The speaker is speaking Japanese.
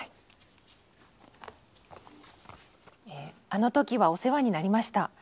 「あの時はお世話になりました。